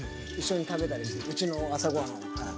うちの朝ごはんをはい。